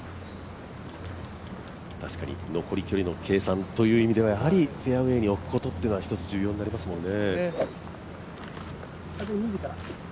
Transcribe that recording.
確かに残り距離の計算っていうのは、やっぱりフェアウエーに置くっていうのは一つ重要になりますよね。